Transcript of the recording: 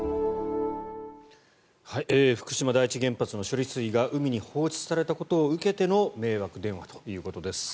福島第一原発の処理水が海に放出されたことを受けての迷惑電話ということです。